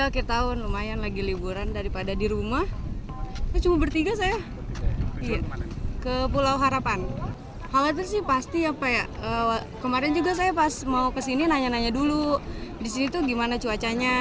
kemarin juga saya pas mau kesini nanya nanya dulu disini tuh gimana cuacanya